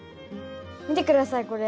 見て下さいこれ。